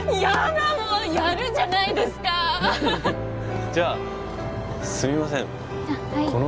やだもうやるじゃないですかじゃあすみませんあっ